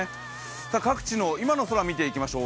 各地の今の空、見ていきましょう。